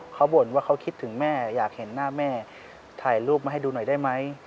เขาบ่นว่าเขาคิดถึงแม่อยากเห็นหน้าแม่ถ่ายรูปมาให้ดูหน่อยได้ไหม